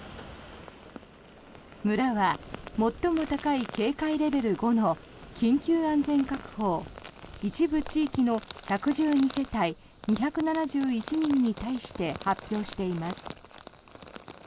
村は、最も高い警戒レベル５の緊急安全確保を一部地域の１１２世帯２７１人に対して発表しています。